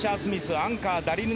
アンカー。